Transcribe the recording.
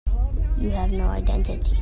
You have no identity.